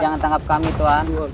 jangan tangkap kami tuhan